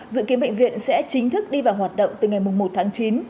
dự kiến bệnh viện sẽ chính thức đi vào hoạt động từ ngày một tháng chín